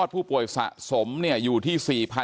ผู้ป่วยสะสมเนี่ยอยู่ที่